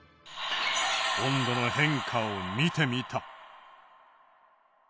温度の変化を見てみた。